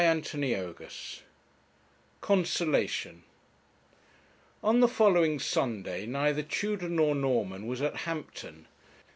CHAPTER XII CONSOLATION On the following Sunday neither Tudor nor Norman was at Hampton.